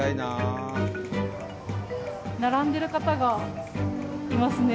並んでる方がいますね。